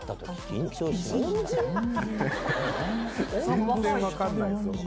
全然分かんないっすよ。